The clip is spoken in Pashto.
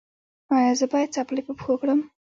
ایا زه باید څپلۍ په پښو کړم؟